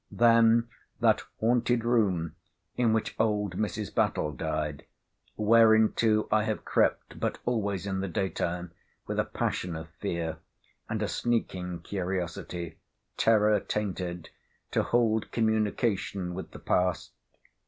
Then, that haunted room—in which old Mrs. Battle died—whereinto I have crept, but always in the day time, with a passion of fear; and a sneaking curiosity, terror tainted, to hold communication with the past.